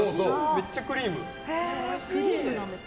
めっちゃクリーム。